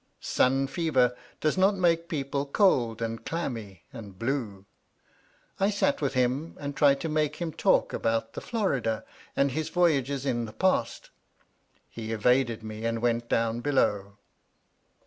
Sun fever does not make people cold and clammy and blue. I sat with him and tried to make him talk about the Florida and his voyages in the past. He evaded me and went down below.